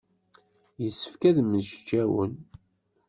Yessefk ad mmečcawen.